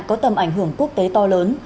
có tầm ảnh hưởng quốc tế to lớn